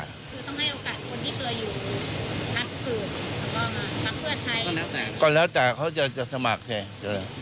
คือต้องให้โอกาสคนที่เคยอยู่พักฝึกพักเพื่อไทย